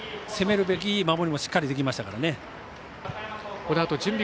攻めるべき守りもしっかりできましたからね。